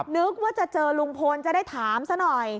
นึกว่าจะเจอลุงพลจะได้ถามซะหน่อย